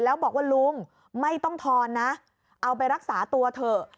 แล้วบอกว่าลุงไม่ต้องทอนนะเอาไปรักษาตัวเถอะ